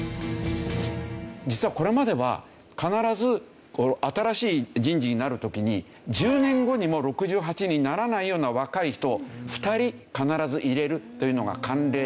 実はこれまでは必ず新しい人事になる時に１０年後にも６８にならないような若い人を２人必ず入れるというのが慣例だったんですよ。